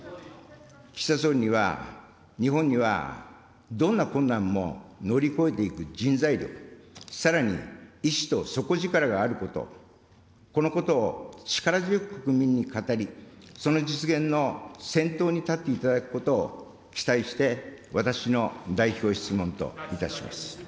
岸田総理には、日本にはどんな困難も乗り越えていく人材力、さらに意志と底力があること、このことを力強く国民に語り、その実現の先頭に立っていただくことを期待して、私の代表質問といたします。